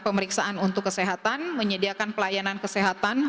pemeriksaan untuk kesehatan menyediakan pelayanan kesehatan